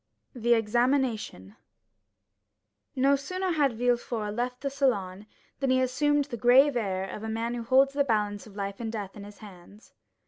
The Examination No sooner had Villefort left the salon, than he assumed the grave air of a man who holds the balance of life and death in his hands.